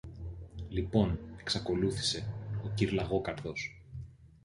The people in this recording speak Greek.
Λοιπόν, εξακολούθησε ο κυρ-Λαγόκαρδος